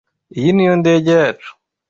Iyi niyo ndege yacu?